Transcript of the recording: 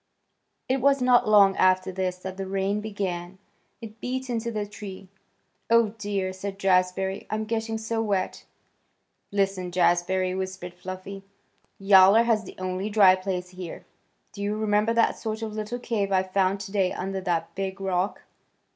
It was not long after this that the rain began. It beat into the tree. "Oh, dear!" said Jazbury. "I'm getting so wet." "Listen, Jazbury," whispered Fluffy. "Yowler has the only dry place here. Do you remember that sort of little cave I found today under that big rock?